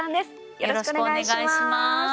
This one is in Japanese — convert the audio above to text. よろしくお願いします。